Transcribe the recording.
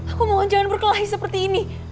aku mohon jangan berkelahi seperti ini